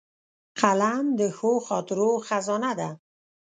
قلم د ښو خاطرو خزانه ده